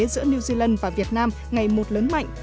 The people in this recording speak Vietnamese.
giữa new zealand và việt nam ngày một lớn mạnh